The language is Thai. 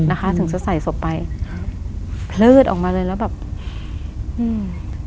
นะคะถึงจะใส่ศพไปครับเพลิดออกมาเลยแล้วแบบอืม